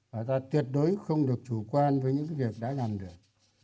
và ta tuyệt đối không được chủ quan với những việc đã làm được